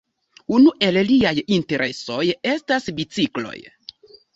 Unu el liaj interesoj estas bicikloj.